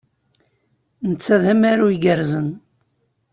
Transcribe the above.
Netta d amaru igerrzen.